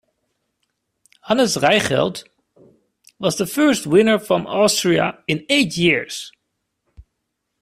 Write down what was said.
Hannes Reichelt was the first winner from Austria in eight years.